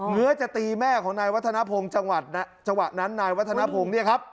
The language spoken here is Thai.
ื้อจะตีแม่ของนายวัฒนภงจังหวัดจังหวะนั้นนายวัฒนภงเนี่ยครับ